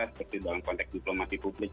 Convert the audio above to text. seperti dalam konteks diplomasi publik